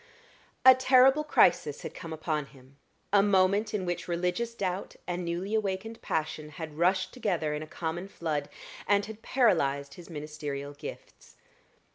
A terrible crisis had come upon him; a moment in which religious doubt and newly awakened passion had rushed together in a common flood, and had paralyzed his ministerial gifts.